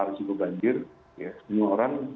risiko banjir semua orang